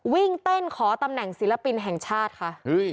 วิ่งเต้นขอตำแหน่งศิลปินแห่งชาติค่ะ